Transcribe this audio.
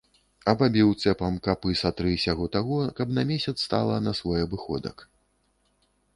Абабіў цэпам капы са тры сяго-таго, каб на месяц стала на свой абыходак.